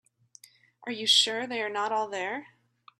Are you sure they are not all there?